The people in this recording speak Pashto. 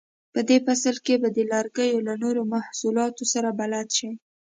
په دې فصل کې به د لرګیو له نورو محصولاتو سره بلد شئ.